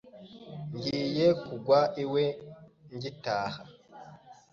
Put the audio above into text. Ngiye kugwa iwe ngitaha.